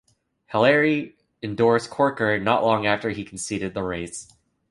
Hilleary endorsed Corker not long after he conceded the race.